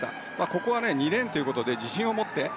ここは２レーンということで自信を持って。